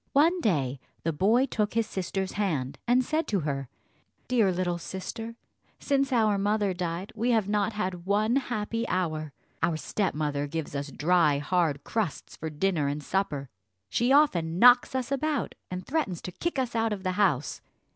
One day the boy took his sister's hand, and said to her, "Dear little sister, since our mother died we have not had one happy hour. Our stepmother gives us dry hard crusts for dinner and supper; she often knocks us about, and threatens to kick us out of the house.